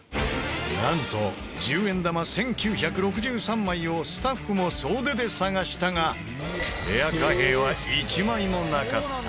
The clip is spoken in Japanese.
なんと１０円玉１９６３枚をスタッフも総出で探したがレア貨幣は１枚もなかった。